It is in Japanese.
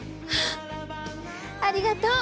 ありがとう！